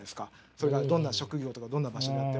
それがどんな職業とかどんな場所であっても。